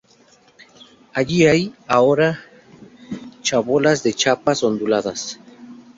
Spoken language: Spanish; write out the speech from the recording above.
Allí hay ahora chabolas de chapas onduladas.